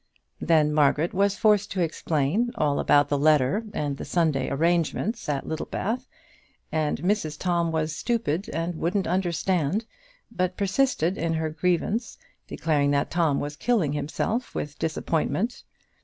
Then Margaret was forced to explain all about the letter and the Sunday arrangements at Littlebath; and Mrs Tom was stupid and wouldn't understand, but persisted in her grievance, declaring that Tom was killing himself with disappointment.